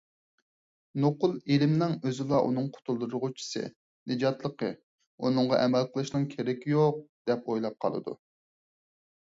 نوقۇل ئىلىمنىنڭ ئۆزىلا ئۇنىڭ قۇتۇلدۇرغۇچىسى، نىجاتلىقى، ئۇنىڭغا ئەمەل قىلىشنىڭ كېرىكى يوق، دەپ ئويلاپ قالىدۇ.